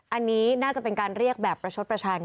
อันนี้น่าจะเป็นการเรียกแบบประชดประชัน